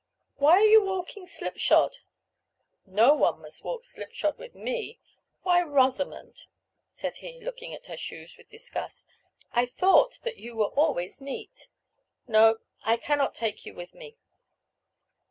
"Why are you walking slipshod? no one must walk slipshod with me. Why, Rosamond," said he, looking at her shoes with disgust, "I thought that you were always neat; no, I cannot take you with me."